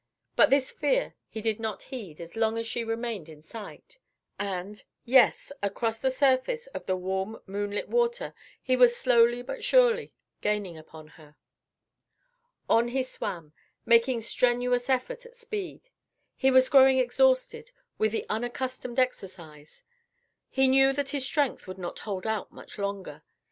But this fear he did not heed as long as she remained in sight, and yes, across the surface of the warm moonlit water he was slowly but surely gaining upon her. On he swam, making strenuous effort at speed. He was growing exhausted with the unaccustomed exercise; he knew that his strength would not hold out much longer.